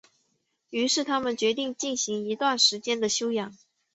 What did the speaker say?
于是他们决定进行一段时间的休养。